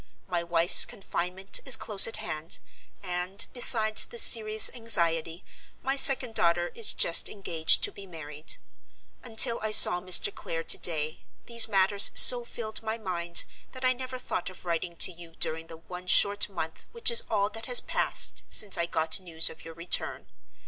My wife's confinement is close at hand; and, besides this serious anxiety, my second daughter is just engaged to be married. Until I saw Mr. Clare to day, these matters so filled my mind that I never thought of writing to you during the one short month which is all that has passed since I got news of your return.